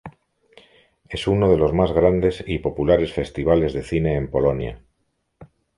Es uno de los más grandes y populares festivales de cine en Polonia.